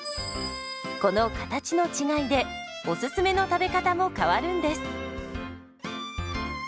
この形の違いでおすすめの食べ方も変わるんです。